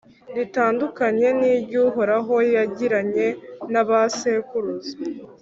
ritandukanye n’iry’uhoraho yagiranye n’abasekuruza